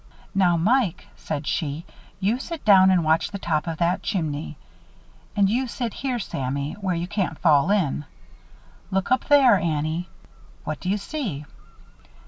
"Now, Mike," said she, "you sit down and watch the top of that chimney. And you sit here, Sammy, where you can't fall in. Look up there, Annie. What do you see?"